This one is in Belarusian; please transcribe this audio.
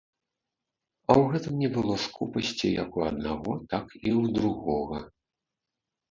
А ў гэтым не было скупасці як у аднаго, так і ў другога.